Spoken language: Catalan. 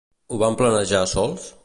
Ho van planejar sols?